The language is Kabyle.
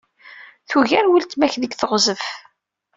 Tugar weltma-k deg teɣzef.